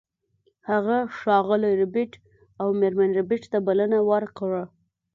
هغه ښاغلي ربیټ او میرمن ربیټ ته بلنه ورکړه